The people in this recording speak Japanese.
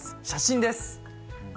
写真です。